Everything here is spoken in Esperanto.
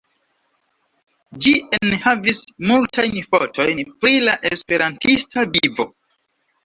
Ĝi enhavis multajn fotojn pri la Esperantista vivo.